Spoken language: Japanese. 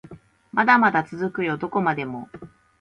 まだまだ続くよどこまでも